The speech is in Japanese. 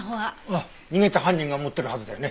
ああ逃げた犯人が持ってるはずだよね？